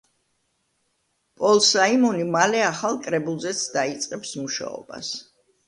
პოლ საიმონი მალე ახალ კრებულზეც დაიწყებს მუშაობას.